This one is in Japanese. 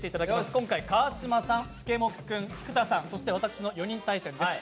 今回、川島さん、吸殻君、菊田さん、そして私の４人対戦です。